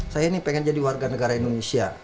saya ini pengen jadi warga negara indonesia